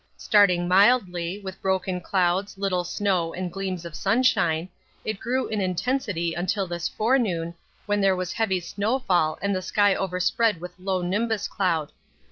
Starting mildly, with broken clouds, little snow, and gleams of sunshine, it grew in intensity until this forenoon, when there was heavy snowfall and the sky overspread with low nimbus cloud.